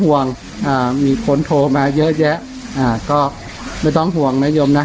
ห่วงอ่ามีคนโทรมาเยอะแยะอ่าก็ไม่ต้องห่วงนะยมนะ